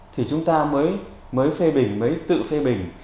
thì chúng ta mới phê bình mới tự phê bình